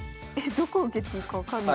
どこ受けていいか分かんない。